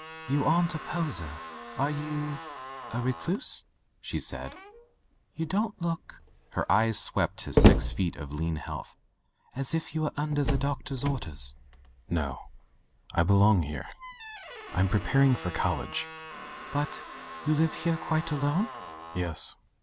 "You aren't a poseur j are you — z recluse ?" said she. "You don't look," her eyes swept his six feet of lean health, "as if you were under the doctor's orders." "No, I belong here. Vm preparing for college." "But — ^you live here quite alone?" "Yes."